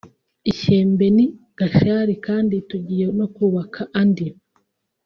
i Shyembe n’i Gashari kandi tugiye no kubaka andi”